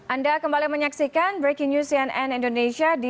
anda kembali menyaksikan breaking news cnn indonesia di